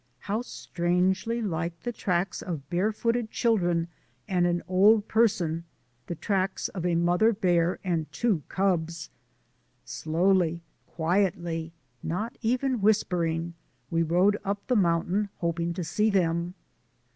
How strangely like the tracks of bare footed children and an old person; the tracks of a mother bear and two cubs! Slowly, quietly, not even whispering, we rode up the mountain hoping to see them.